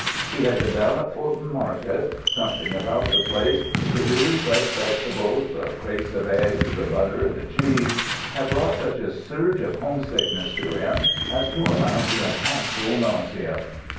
He had been down at Fulton Market. Something about the place the dewy fresh vegetables, the crates of eggs, the butter, the cheese had brought such a surge of homesickness to him as to amount to an actual nausea.